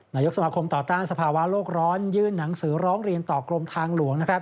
นายกสมาคมต่อต้านสภาวะโลกร้อนยื่นหนังสือร้องเรียนต่อกรมทางหลวงนะครับ